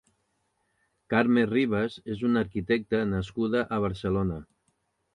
Carme Ribas és una arquitecta nascuda a Barcelona.